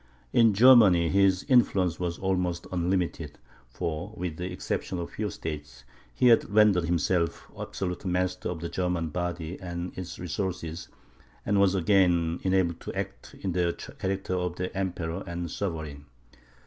In Germany, his influence was almost unlimited, for, with the exception of a few states, he had rendered himself absolute master of the German body and its resources, and was again enabled to act in the character of emperor and sovereign.